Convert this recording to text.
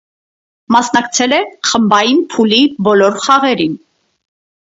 Մասնակցել է խմբային փուլի բոլոր խաղերին։